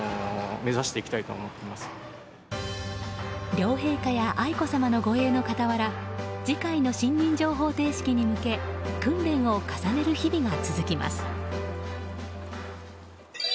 両陛下や愛子さまの護衛の傍ら次回の信任状捧呈式に向け訓練を重ねる日々が続きます。